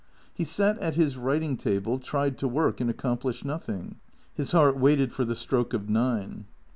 He sat at his writing table, tried to work and accomplished nothing. His heart waited for the stroke of nine.